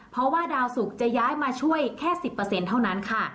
เพราะว่าดาวสุกจะย้ายมาช่วยแค่๑๐เท่านั้นค่ะ